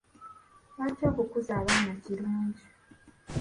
Lwaki okukuza abaana kirungi?